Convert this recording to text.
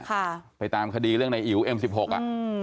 ค่ะไปตามคดีเรื่องในอิ๋วเอ็มสิบหกอ่ะอืม